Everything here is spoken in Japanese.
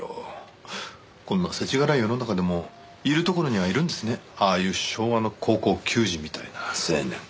こんな世知辛い世の中でもいるところにはいるんですねああいう昭和の高校球児みたいな青年。